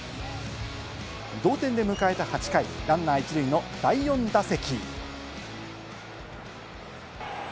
同点で迎えた８回、ランナー１塁の第４打席。